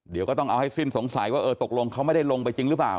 เดี๋ยวก็ต้องเอาให้สิ้นสงสัยว่าเออตกลงเขาไม่ได้ลงไปจริงหรือเปล่า